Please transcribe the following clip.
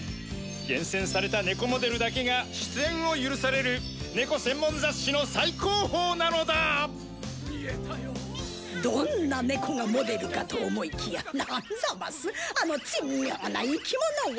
厳選されたネコモデルだけが出演を許されるネコ専門雑誌の最高峰なのだどんなネコがモデルかと思いきやなんザマスあの珍妙な生き物は？